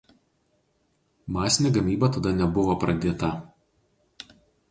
Masinė gamyba tada nebuvo pradėta.